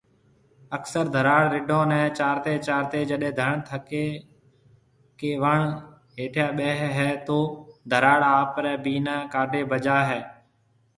اڪثر ڌراڙ رڍون ني چارتي چارتي جڏي ڌڻ ٿڪي ڪي وڻ هيٺيا ٻيۿي تو ڌراڙ آپري بينا ڪاڍي بجاوي هي